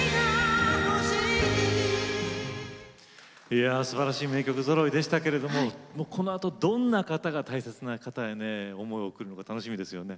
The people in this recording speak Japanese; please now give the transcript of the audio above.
いやすばらしい名曲ぞろいでしたけれどもこのあとどんな方が大切な方へ思いを贈るのか楽しみですよね。